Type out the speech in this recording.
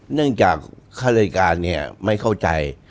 เนื่องจากค่ารายการเนี่ยไม่เข้าใจ